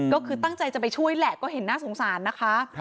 ก็คือตั้งใจจะไปช่วยแหละก็เห็นน่าสงสารนะคะ